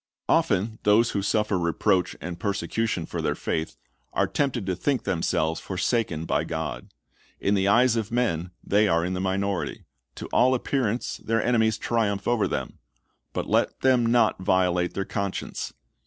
Often those who suffer reproach or persecution for their faith are tempted to think themselves forsaken by God. In the eyes of men they are in the minority. To all appearance their enemies triumph over them. But let them not violate their conscience.